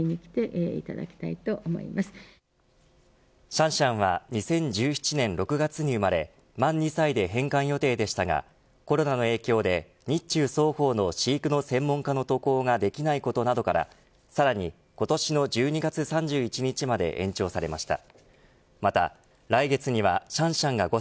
シャンシャンは２０１７年６月に生まれ満２歳で返還予定でしたがコロナの影響で日中双方の飼育の専門家の渡航ができないことなどから、さらに今年の１２月３１日まで延長されました。